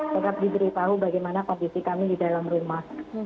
tetap diberitahu bagaimana kondisi kami di dalam rumah